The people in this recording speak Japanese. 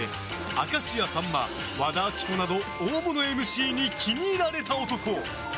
明石家さんま、和田アキ子など大物ＭＣに気に入られた男。